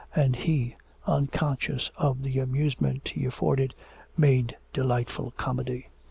And he, unconscious of the amusement he afforded, made delightful comedy.